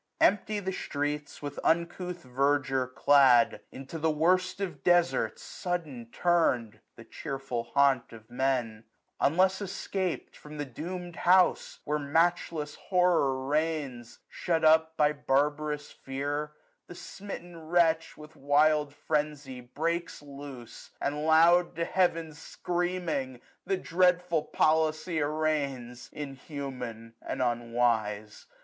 Empty the streets, with uncouth verdure clad j 1070 N go SUMMER. Into the worst of desarts sudden turned The chearful haunt of Men : unless escaped From the doomed house, where matchless horror reigns; Shut up by barbarous fear, the smitten wretch. With frenzy wild, breaks loose ; and, loud to Heaven Screaming, the dreadful policy arraigns, 1076 Inhuman, and unwise.